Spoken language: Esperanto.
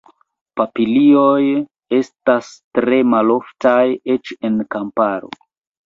Papilioj estas tre maloftaj, eĉ en la kamparo.